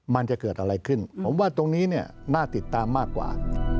มันจะเกิดอะไรขึ้นผมว่าตรงนี้เนี่ยน่าติดตามมากกว่า